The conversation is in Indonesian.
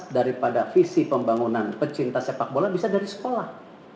daripada visi pembangunan pecinta sepak bola bisa dari sekolah